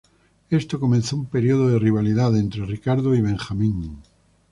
Esto comenzó un período de rivalidad entre Ricardo y Benjamín.